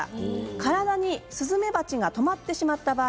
体にスズメバチがとまってしまった場合